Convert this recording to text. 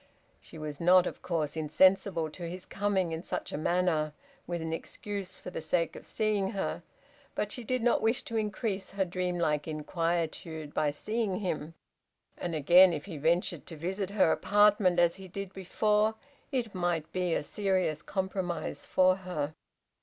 She was not, of course, insensible to his coming in such a manner, with an excuse for the sake of seeing her, but she did not wish to increase her dreamlike inquietude by seeing him. And again, if he ventured to visit her apartment, as he did before, it might be a serious compromise for her.